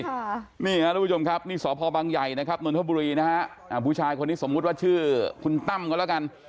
สวัสดีคุณผู้ชมครับนี่สพบังใหญ่นพบุรีผู้ชายคนนี้สมมติว่าชื่อคุณตั้มเขาแล้วกัน